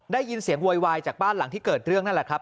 ได้ยินเสียงโวยวายจากบ้านหลังที่เกิดเรื่องนั่นแหละครับ